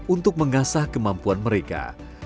untuk mengasah kemampuan mereka